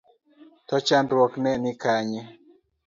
To chandruok ne ni kanye?